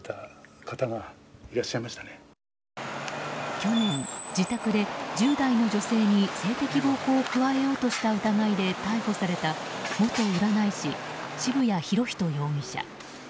去年、自宅で１０代の女性に性的暴行を加えようとした疑いで逮捕された元占い師渋谷博仁容疑者。